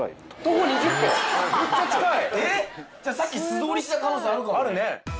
じゃあさっき素通りした可能性あるかもね。